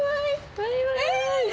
バイバイ！